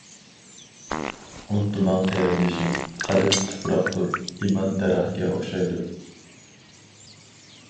ئۇنتۇماڭ قېرىندىشىم، قەلب تۇپراقتۇر، ئىمان دەرەخكە ئوخشايدۇ.